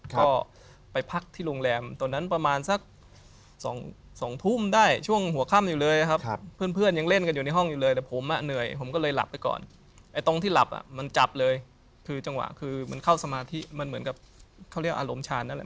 ได้เห็นบ้านตัวเองไหมในอดีตหรือไม่เหลือละ